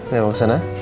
nih mau kesana